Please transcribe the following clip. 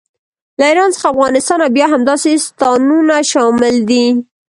له ایران څخه افغانستان او بیا همداسې ستانونه شامل دي.